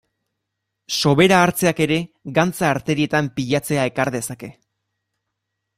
Sobera hartzeak ere gantza arterietan pilatzea ekar dezake.